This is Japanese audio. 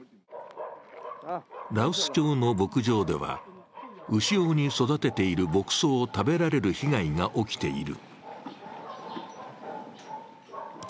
羅臼町の牧場では、牛用に育てている牧草を食べられる被害が起きている。